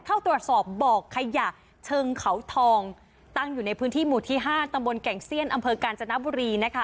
เข้าตรวจสอบบ่อขยะเชิงเขาทองตั้งอยู่ในพื้นที่หมู่ที่ห้าตำบลแก่งเซียนอำเภอกาญจนบุรีนะคะ